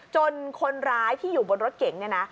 คนร้ายที่อยู่บนรถเก่งเนี่ยนะ